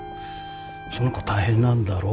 その子大変なんだろ？」